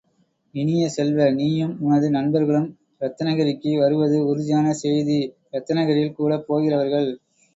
இனிய செல்வ, நீயும் உனது நண்பர்களும் இரத்தனகிரிக்கு வருவது உறுதியான செய்தி இரத்தினகிரியில் கூடப் போகிறவர்கள்.